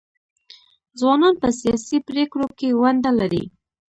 ځوانان په سیاسي پریکړو کې ونډه لري.